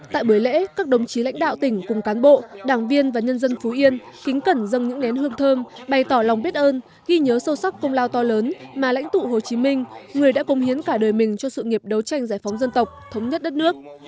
tại buổi lễ các đồng chí lãnh đạo tỉnh cùng cán bộ đảng viên và nhân dân phú yên kính cẩn dân những nén hương thơm bày tỏ lòng biết ơn ghi nhớ sâu sắc công lao to lớn mà lãnh tụ hồ chí minh người đã công hiến cả đời mình cho sự nghiệp đấu tranh giải phóng dân tộc thống nhất đất nước